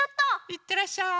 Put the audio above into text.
いってらっしゃい。